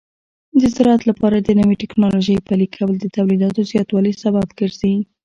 د زراعت لپاره د نوې ټکنالوژۍ پلي کول د تولیداتو زیاتوالي سبب ګرځي.